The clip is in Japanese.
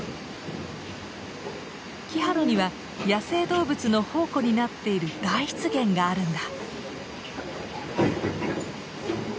キハロには野生動物の宝庫になっている大湿原があるんだ。